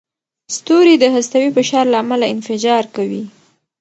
ستوري د هستوي فشار له امله انفجار کوي.